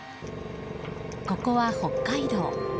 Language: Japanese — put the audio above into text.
ここは北海道。